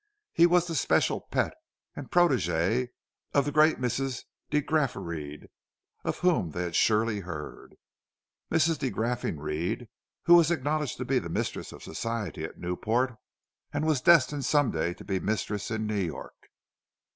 He was the special pet and protégé of the great Mrs. de Graffenried, of whom they had surely heard—Mrs. de Graffenried, who was acknowledged to be the mistress of society at Newport, and was destined some day to be mistress in New York.